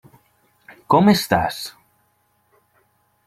Com estàs?